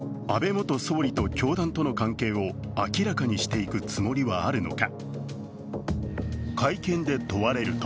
岸田総理は安倍元総理と教団との関係を明らかにしていくつもりはあるのか。